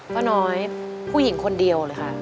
ป้าน้อยผู้หญิงคนเดียวเลยค่ะ